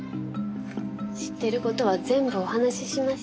知ってる事は全部お話ししました。